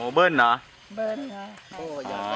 โอเบิ้ลหรอ